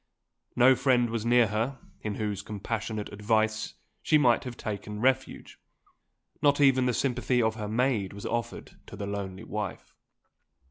No friend was near her, in whose compassionate advice she might have token refuge. Not even the sympathy of her maid was offered to the lonely wife.